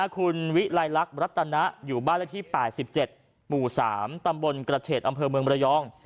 คุณวิไลลักษณ์รัตนะอยู่บ้านเลขที่๘๗หมู่๓ตำบลกระเฉดอำเภอเมืองระยอง